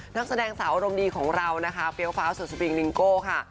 นักแสดงสาวอารมณ์ดีของเรานะคะเฟี้ยวฟ้าสุดสปริงนิงโก้ค่ะ